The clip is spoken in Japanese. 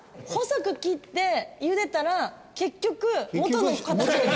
細く切って茹でたら結局元の形に。